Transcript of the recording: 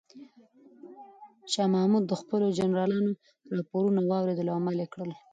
شاه محمود د خپلو جنرالانو راپورونه واورېدل او عمل یې وکړ.